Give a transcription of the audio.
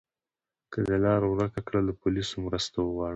که د لاره ورکه کړه، له پولیسو مرسته وغواړه.